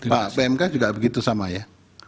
pak pmk juga begitu sama ya